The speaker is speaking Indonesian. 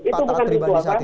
tata atribadi saat itu